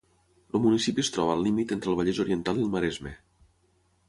El municipi es troba al límit entre el Vallès Oriental i el Maresme.